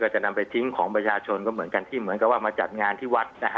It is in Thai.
จะนำไปทิ้งของประชาชนก็เหมือนกันที่เหมือนกับว่ามาจัดงานที่วัดนะฮะ